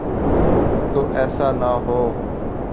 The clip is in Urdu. تو ایسا نہ ہو۔